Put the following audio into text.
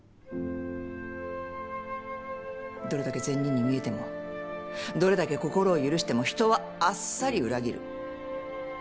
どれだけ善人に見えてもどれだけ心を許しても人はあっさり裏切る。